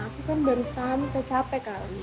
aku kan baru sampai capek kali